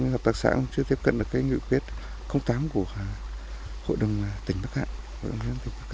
hợp tác xã cũng chưa tiếp cận được cái nguyện quyết tám của hội đồng tỉnh bắc hạng